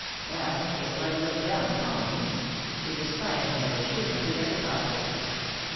Well, they quite looked down upon me; they despised me as a shoemaker does a cobbler.